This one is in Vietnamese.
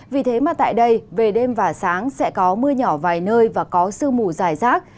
vì thế mà tại đây về đêm và sáng sẽ có mưa nhỏ vài nơi và có sương mù dài rác